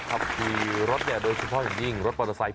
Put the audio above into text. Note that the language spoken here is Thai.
ขับขี่รถโดยเฉพาะอย่างยิ่งรถมอเตอร์ไซค์